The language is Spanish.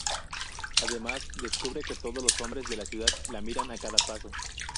Además, descubre que todos los hombres de la ciudad la miran a cada paso.